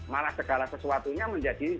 malah segala sesuatunya menjadi serba ya